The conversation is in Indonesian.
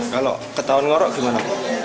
kalau ketahuan ngorok gimana